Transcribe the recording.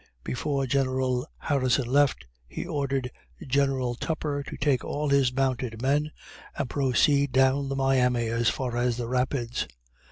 Before General Harrison left, he ordered General Tupper to take all his mounted men and proceed down the Miami as far as the Rapids.